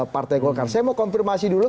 partai golkar saya mau konfirmasi dulu